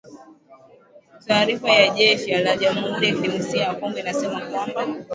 Taarifa ya jeshi la jamhuri ya kidemokrasia ya Kongo imesema kwamba